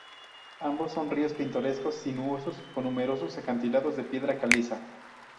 Ambos son ríos pintorescos, sinuosos, con numerosos acantilados de piedra caliza.